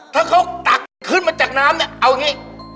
ถ้าเขาตักขึ้นมาจากน้ำเนี่ยเอาอย่างนี้